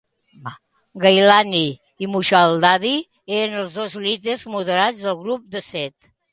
Gailani i Mujaddadi eren els dos líders moderats del grup de set.